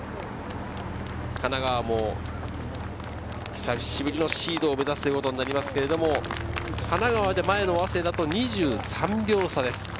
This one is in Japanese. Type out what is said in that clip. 神奈川も久しぶりのシードを目指すことになりますが、神奈川で前の早稲田と２３秒差です。